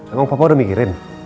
emang papa udah mikirin